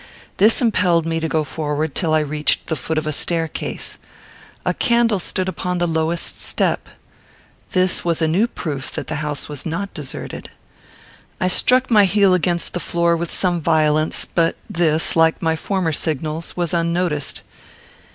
This impelled me to go forward, till I reached the foot of a staircase. A candle stood upon the lowest step. This was a new proof that the house was not deserted. I struck my heel against the floor with some violence; but this, like my former signals, was unnoticed.